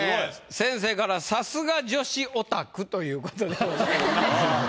先生から「さすが助詞オタク」ということでございました。